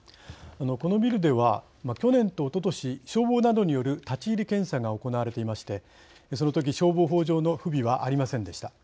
このビルでは去年とおととし消防などによる立ち入り検査が行われていましてそのとき消防法上の不備はありませんでした。